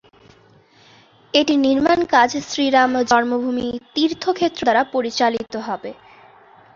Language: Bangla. এটির নির্মাণকাজ শ্রী রাম জন্মভূমি তীর্থ ক্ষেত্র দ্বারা পরিচালিত হবে।